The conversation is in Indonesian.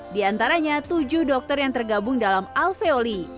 di antaranya tujuh dokter yang tergabung dalam alveoli